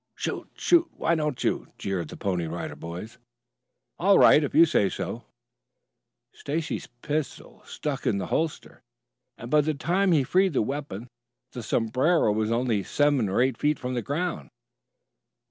"Shoot, shoot, why don't you?" jeered the Pony Rider Boys. "All right if you say so." Stacy's pistol stuck in the holster and by the time he had freed the weapon the sombrero was only some seven or eight feet from the ground.